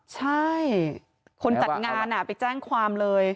ใช่คนจัดงานไปแจ้งความเลย